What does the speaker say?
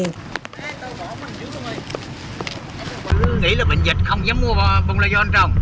bà con có nghĩ là bệnh dịch không dám mua bụng lợi do ăn trồng